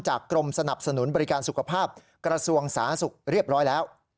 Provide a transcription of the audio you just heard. กรมสนับสนุนบริการสุขภาพกระทรวงสาธารณสุขเรียบร้อยแล้ว